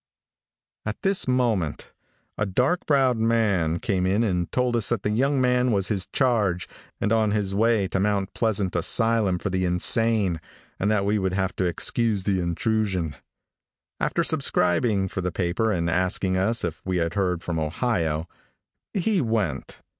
At this moment a dark browed man came in and told us that the young man was his charge and on his way to Mount Pleasant asylum for the insane and that we would have to excuse the intrusion. After subscribing for the paper and asking us if we had heard from Ohio, he went.